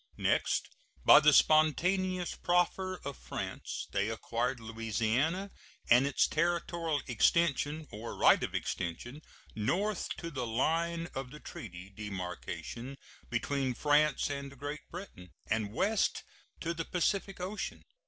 Next, by the spontaneous proffer of France, they acquired Louisiana and its territorial extension, or right of extension, north to the line of the treaty demarcation between France and Great Britain, and west to the Pacific Ocean.